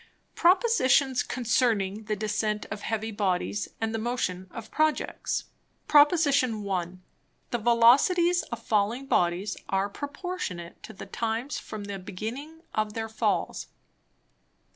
Propositions concerning the Descent of Heavy Bodies, and the Motion of Projects. Prop. I. The Velocities of Falling Bodies, are proportionate to the Times from the beginning of their Falls.